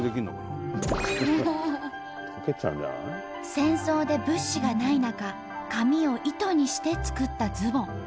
戦争で物資がない中紙を糸にして作ったズボン。